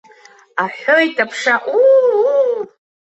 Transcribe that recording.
Аҳәоит аԥша, уу-уу.